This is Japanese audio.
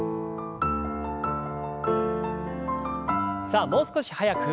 さあもう少し速く。